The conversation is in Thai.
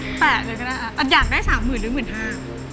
แปะเลยก็ได้อยากได้สามหมื่นหรือหมื่นห้า